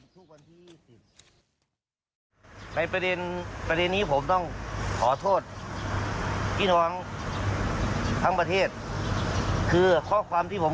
ทำไมต้องจองเคลียร์